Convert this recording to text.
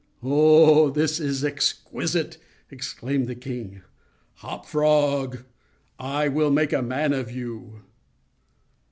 "Oh, this is exquisite!" exclaimed the king. "Hop Frog! I will make a man of you."